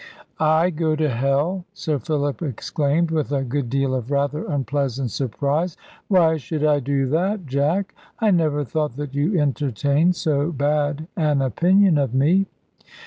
"I go to hell!" Sir Philip exclaimed, with a good deal of rather unpleasant surprise; "why should I do that, Jack? I never thought that you entertained so bad an opinion of me."